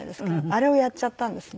あれをやっちゃったんですね。